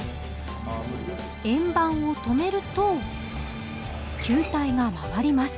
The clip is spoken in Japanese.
円盤を止めると球体が回ります